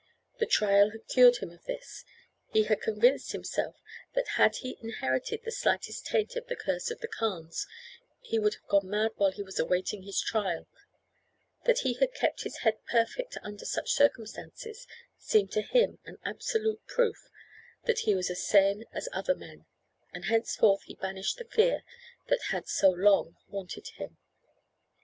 The trial had cured him of this; he had convinced himself that had he inherited the slightest taint of the curse of the Carnes, he would have gone mad while he was awaiting his trial; that he had kept his head perfect under such circumstances seemed to him an absolute proof that he was as sane as other men, and henceforth he banished the fear that had so long haunted him.